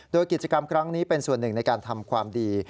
โดยกิจกรรมครั้งนี้เป็นส่วนหนึ่งในการทำความดี